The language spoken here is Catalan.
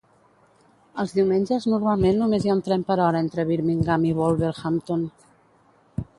Els diumenges, normalment només hi ha un tren per hora entre Birmingham i Wolverhampton.